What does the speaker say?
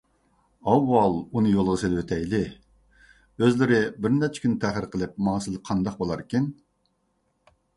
ئاۋۋال ئۇنى يولغا سېلىۋېتەيلى، ئۆزلىرى بىرنەچچە كۈن تەخىر قىلىپ ماڭسىلا قانداق بولاركىن؟